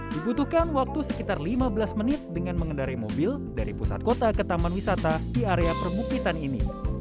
dibutuhkan waktu sekitar lima belas menit dengan mengendari mobil dari pusat kota ke taman wisata di area permupitan ini